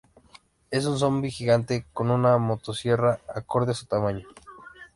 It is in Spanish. Es un zombi gigante con una motosierra acorde a su tamaño.